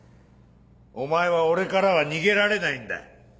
お前は俺からは逃げられないんだ。